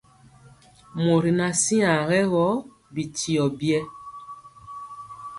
Mɔri ŋan siaŋg rɛ gɔ, bityio biɛɛ.